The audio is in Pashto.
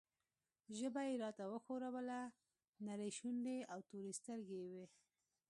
ژبه یې راته وښوروله، نرۍ شونډې او تورې سترګې یې وې.